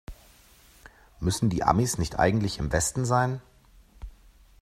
Müssten die Amis nicht eigentlich im Westen sein?